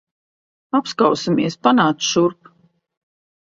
Apskausimies. Panāc šurp.